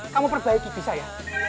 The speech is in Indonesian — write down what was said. kamu perbaiki bisa ya